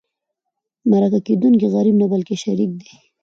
مرکه کېدونکی غریب نه بلکې شریك دی.